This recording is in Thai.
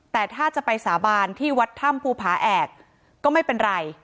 แต่ถ้าจะไปสาบานที่วัดถ้ำภูผาแอกก็ไม่เป็นไร